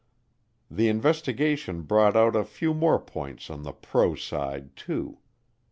The investigation brought out a few more points on the pro side too.